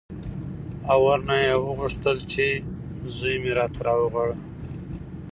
او ورنه ویې غوښتل چې زوی مې راته راوغواړه.